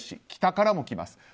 北からも来ます。